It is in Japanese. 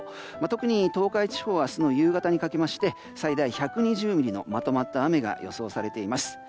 特に東海地方は明日の夕方にかけまして最大１２０ミリのまとまった雨が予想されています。